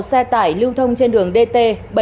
xe tải lưu thông trên đường dt bảy trăm năm mươi ba